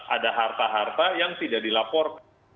ada harta harta yang tidak dilaporkan